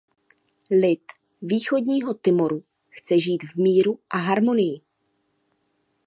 Lid Východního Timoru chce žít v míru a harmonii.